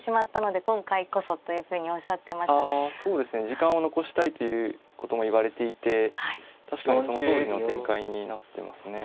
時間を残したいということも言われていて確かにそのとおりの展開になってますね。